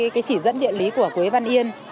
cái chỉ dẫn địa lý của quế văn yên